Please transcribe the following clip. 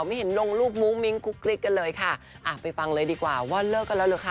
ไม่เห็นลงรูปมุ้งมิ้งกุ๊กกิ๊กกันเลยค่ะอ่ะไปฟังเลยดีกว่าว่าเลิกกันแล้วเหรอคะ